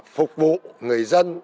phục vụ người dân